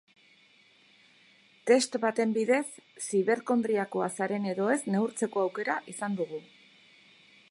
Test baten bidez ziberkondriakoa zaren edo ez neurtzeko aukera izan dugu.